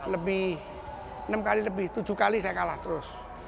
lebih enam kali lebih tujuh kali saya kalah terus